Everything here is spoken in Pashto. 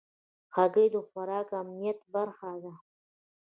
هګۍ د خوراکي امنیت برخه ده.